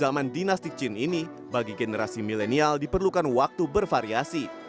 zaman dinasti chin ini bagi generasi milenial diperlukan waktu bervariasi